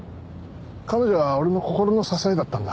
彼女は俺の心の支えだったんだ。